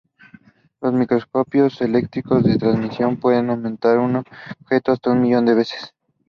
Los microscopios electrónicos de transmisión pueden aumentar un objeto hasta un millón de veces.